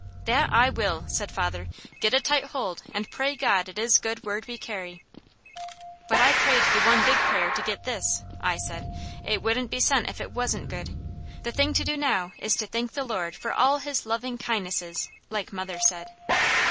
"That I will!" said father. "Get a tight hold, and pray God it is good word we carry." "But I prayed the one big prayer to get this," I said. "It wouldn't be sent if it wasn't good. The thing to do now is to thank the Lord for 'all his loving kindnesses,' like mother said."